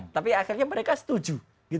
tapi akhirnya mereka setuju